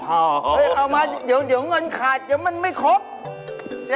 เอามาเดี๋ยวเงินขาดมันไม่ครบเจ๊